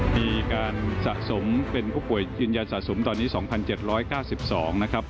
มีการสะสมเป็นผู้ป่วยยืนยันสะสมตอนนี้๒๗๙๒นะครับ